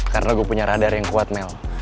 karena gue punya radar yang kuat mel